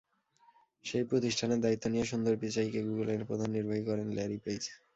সেই প্রতিষ্ঠানের দায়িত্ব নিয়ে সুন্দর পিচাইকে গুগলের প্রধান নির্বাহী করেন ল্যারি পেজ।